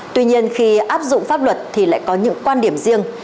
tuy nhiên khi áp dụng pháp luật thì lại có những quan điểm riêng